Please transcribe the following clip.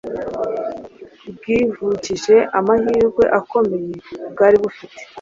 bwivukije amahirwe akomeye bwari bufite.